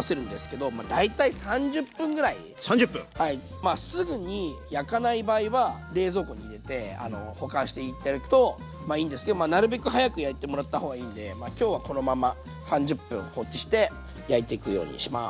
まあすぐに焼かない場合は冷蔵庫に入れて保管して頂くといいんですけどなるべく早く焼いてもらった方がいいので今日はこのまま３０分放置して焼いていくようにします。